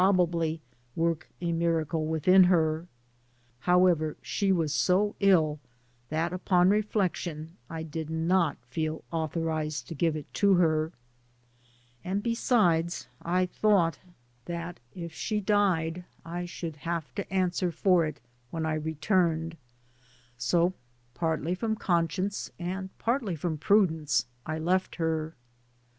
bably work a miracle within her ; however, she was so ill that, upon reflection, I did not feel au thorised to give it to her, and besides I thought that if she died I should have to answer for it when I returned, so, partly from conscience and partly from prudence, I left her.